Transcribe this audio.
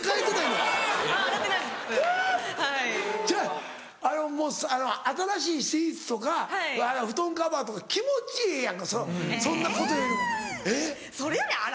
ちゃうあのもう新しいシーツとか布団カバーとか気持ちええやんかそんなことよりも。